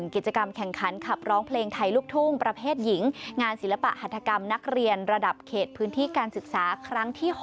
กิจกรรมแข่งขันขับร้องเพลงไทยลูกทุ่งประเภทหญิงงานศิลปะหัฐกรรมนักเรียนระดับเขตพื้นที่การศึกษาครั้งที่๖